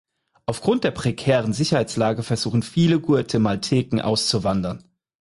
Aufgrund der prekären Sicherheitslage versuchen viele Guatemalteken auszuwandern.